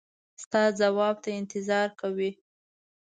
ستا ځواب ته انتظار کوي.